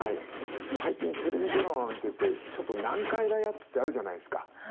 最近テレビドラマ見ててちょっと難解なやつってあるじゃないですか。